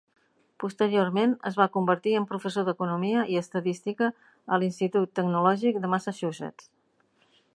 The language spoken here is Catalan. Posteriorment, es va convertir en professor d'economia i estadística a l'Institut Tecnològic de Massachusetts.